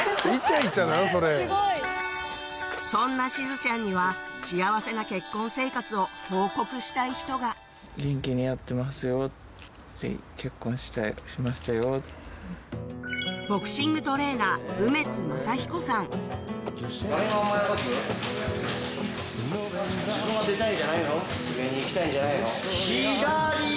そんなしずちゃんには幸せな結婚生活を報告したい人がボクシングトレーナー上に行きたいんじゃないの？